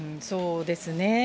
そうですね。